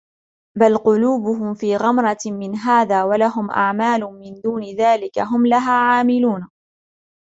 بَلْ قُلُوبُهُمْ فِي غَمْرَةٍ مِنْ هَذَا وَلَهُمْ أَعْمَالٌ مِنْ دُونِ ذَلِكَ هُمْ لَهَا عَامِلُونَ